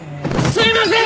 すみません！